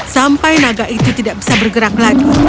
sampai naga itu tidak bisa bergerak lagi